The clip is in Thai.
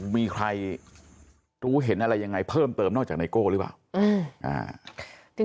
มีใครรู้เห็นอะไรยังไงเพิ่มเติมนอกจากไนโก้หรือเปล่า